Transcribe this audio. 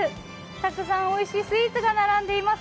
たくさんおいしいスイーツが並んでいます。